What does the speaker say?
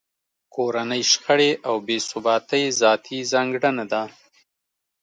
کورنۍ شخړې او بې ثباتۍ ذاتي ځانګړنه ده.